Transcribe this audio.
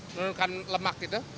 menurunkan lemak gitu